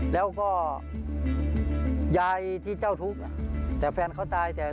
แล้วก็ยายที่เจ้าทุกข์แต่แฟนเขาตายแต่